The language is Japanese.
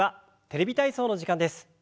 「テレビ体操」の時間です。